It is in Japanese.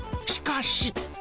しかし。